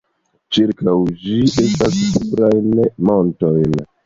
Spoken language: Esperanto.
Ĉirkaŭ ĝi estas pluraj montoj.